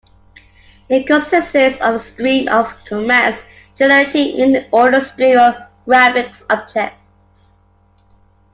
It consists of a stream of commands generating an ordered stream of graphics objects.